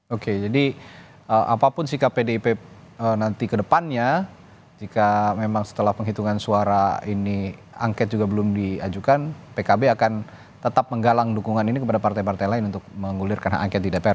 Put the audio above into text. oke jadi apapun sikap pdip nanti ke depannya jika memang setelah penghitungan suara ini angket juga belum diajukan pkb akan tetap menggalang dukungan ini kepada partai partai lain untuk mengulirkan hak angket di dpr